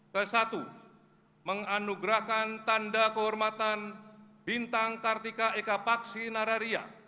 ke satu menganugerahkan tanda kehormatan bintang kartika ekapaksi nararia